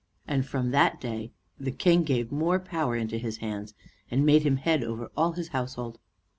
And from that day che King gave more power into his hands, and made him head over all his household.